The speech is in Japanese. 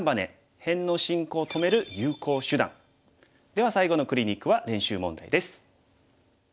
では最後のクリニックは練習問題です。